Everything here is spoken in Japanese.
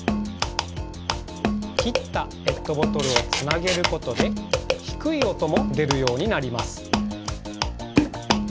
きったペットボトルをつなげることでひくいおともでるようになります。